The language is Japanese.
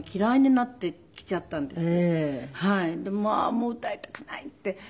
もう歌いたくないって。